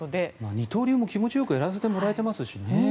二刀流も気持ちよくやらせてもらってますしね。